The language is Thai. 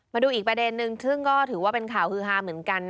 มาดูอีกประเด็นนึงซึ่งก็ถือว่าเป็นข่าวฮือฮาเหมือนกัน